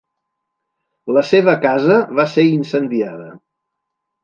La seva casa va ser incendiada.